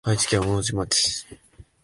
愛知県大治町